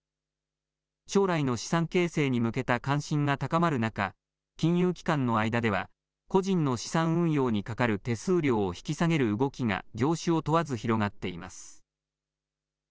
将来の資産形成に向けた関心が高まる中、金融機関の間では個人の資産運用にかかる手数料を引き下げる動きが業種を問わず広がっています。